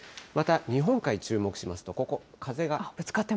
また日本海、注目しますと、ここ、風が。